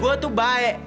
gue tuh baik